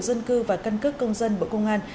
dân cư và căn cước công dân bộ công an